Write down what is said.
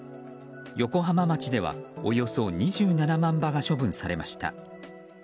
横浜町ではおよそ２７万羽が処分されました。